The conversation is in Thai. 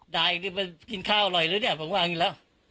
ดาอีกเนี่ยมิกินข้าวอร่อยรึเนี่วผมก็ว่าหงีแล้ว